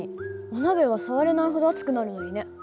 お鍋は触れないほど熱くなるのにね。